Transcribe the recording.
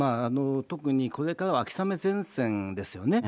特に、これからは秋雨前線ですよね。